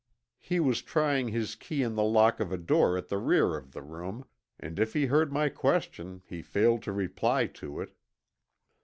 He was trying his key in the lock of a door at the rear of the room, and if he heard my question he failed to reply to it.